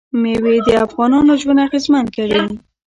مېوې د افغانانو ژوند اغېزمن کوي.